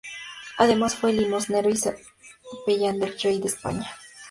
Además fue limosnero y capellán del rey de España.